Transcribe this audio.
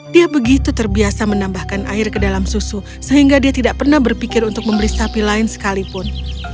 dia begitu terbiasa menambahkan air ke dalam susu sehingga dia tidak pernah berpikir untuk membeli sapi lain sekalipun